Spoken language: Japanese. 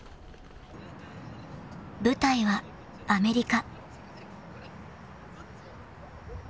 ［舞台はアメリカ］